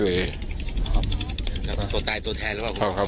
ตัวตายตัวแทนถึงครับ